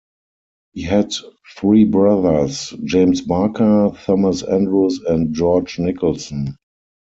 He had three brothers, James Barker, Thomas Andrews and George Nicholson.